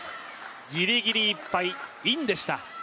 ギリギリいっぱい、インでした。